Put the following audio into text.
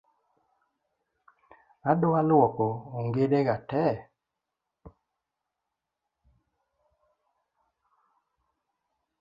Adwa luoko ongede ga tee